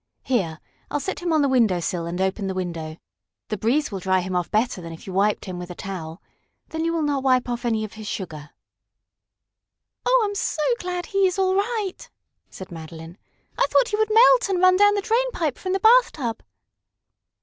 Here, I'll set him on the window sill and open the window. The breeze will dry him off better than if you wiped him with a towel. Then you will not wipe off any of his sugar." "Oh, I'm so glad he is all right," said Madeline. "I thought he would melt and run down the drain pipe from the bathtub."